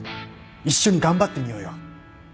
一緒に頑張ってみようよ